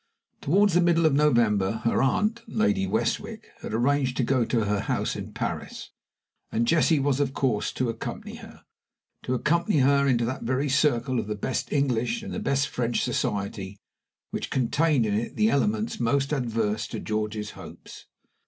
Toward the middle of November, her aunt, Lady Westwick, had arranged to go to her house in Paris, and Jessie was, of course, to accompany her to accompany her into that very circle of the best English and the best French society which contained in it the elements most adverse to George's hopes.